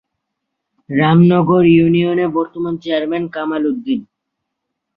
রামনগর ইউনিয়নের বর্তমান চেয়ারম্যান কামাল উদ্দিন।